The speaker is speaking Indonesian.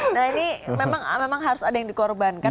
nah ini memang harus ada yang dikorbankan